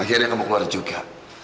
akhirnya kamu keluar juga